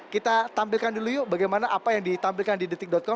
kita tampilkan dulu yuk bagaimana apa yang ditampilkan di detik com